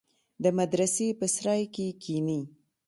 د مدرسې په سراى کښې کښېني.